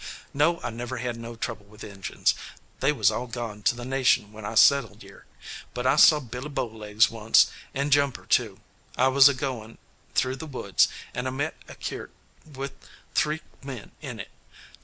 "No, I never had no trouble with Injuns. They was all gone to the Nation when I settled yere, but I see Billy Bow legs onct, and Jumper, too. I was ago in' through the woods, and I met a keert with three men in it.